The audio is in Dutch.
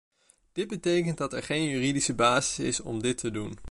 Dit betekent dat er geen juridische basis is om dit te doen.